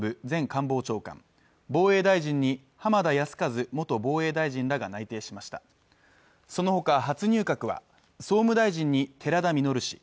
官房長官防衛大臣に浜田靖一元防衛大臣らが内定しましたそのほか初入閣は総務大臣に寺田稔氏